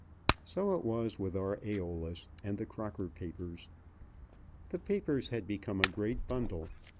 So it was with our Æolus and the Crocker papers. The papers had become a great bundle.